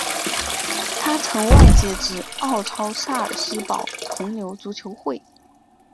他曾外借至奥超萨尔斯堡红牛足球会。